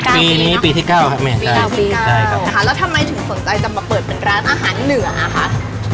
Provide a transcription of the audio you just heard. ปีนี้ปีที่๙ครับแม่ปี๙ปี๙นะคะแล้วทำไมถึงสนใจจะมาเปิดเป็นร้านอาหารเหนืออ่ะคะ